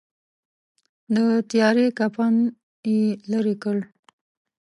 د تیارې کفن یې لیري کړ.